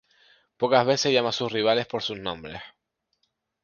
Pocas veces llama a sus rivales por sus nombres.